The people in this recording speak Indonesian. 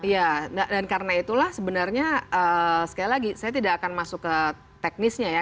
ya dan karena itulah sebenarnya sekali lagi saya tidak akan masuk ke teknisnya ya